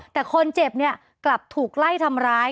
แต่คนเจ็บเนี่ยกลับถูกไล่ทำร้าย